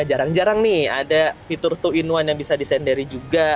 jarang jarang nih ada fitur dua in satu yang bisa disendary juga